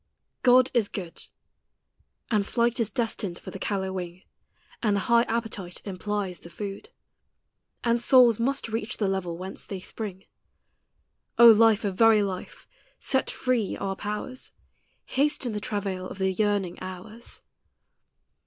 FROM "ANIMA MUNDI." God is good. And flight is destined for the callow wing, And the high appetite implies the food, And souls most reach the level whence they spring; O Life of very life! set free our powers, Hasten the travail of the yearning hours.